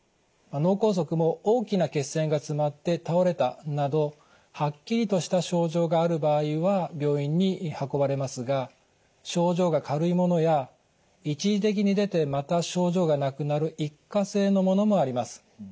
脳梗塞も大きな血栓が詰まって倒れたなどはっきりとした症状がある場合は病院に運ばれますが症状が軽いものや一時的に出てまた症状がなくなる一過性のものもあります。